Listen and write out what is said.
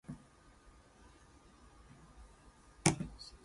The game had several features which created a classic and innovative computer game.